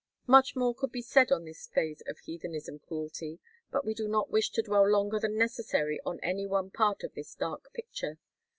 Much more could be said on this phase of heathenism cruelty. But we do not wish to dwell longer than necessary on any one part of this dark picture.